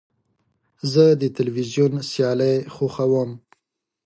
زه د تلویزیون سیالۍ خوښوم.